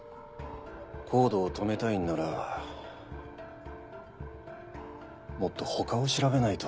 ＣＯＤＥを止めたいんならもっと他を調べないと。